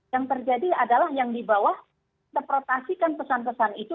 yang terjadi adalah yang dibawa terproteksi kan pesan pesan itu